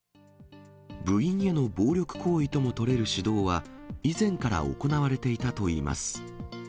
部員への暴力行為ともとれる指導は、以前から行われていたといいます。